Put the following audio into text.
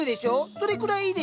それくらいいいでしょ！